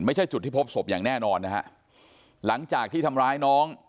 ไม่ใช่จุดที่พบศพอย่างแน่นอนนะฮะหลังจากที่ทำร้ายน้อง